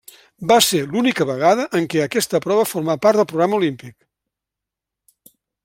Va ser l'única vegada en què aquesta prova formà part del programa olímpic.